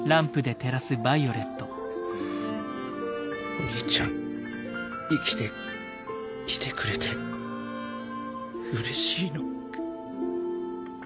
「お兄ちゃん生きていてくれてうれしいの」。